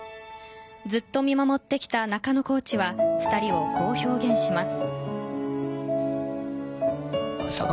ずっと見守ってきた中野コーチは２人をこう表現します。